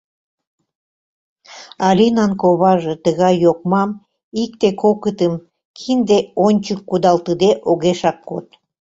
Алинан коваже тыгай йокмам, икте-кокытым, кинде ончык кудалтыде огешак код.